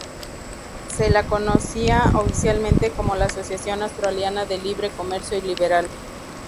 Se la conocía oficialmente como la Asociación Australiana de Libre Comercio y Liberal.